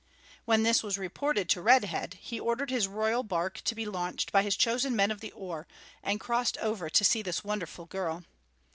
When this was reported to Red Head, he ordered his royal bark to be launched by his chosen men of the oar, and crossed over to see this wonderful girl.